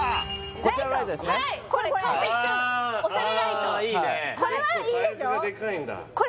これはいいでしょう？